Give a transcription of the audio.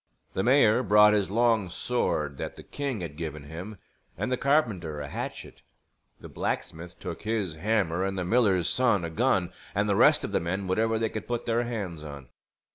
The mayor brought his long sword that the king had given him, and the carpenter a hatchet, the blacksmith took his hammer, and the miller's son a gun; and the rest of the men whatever they could put their hands on.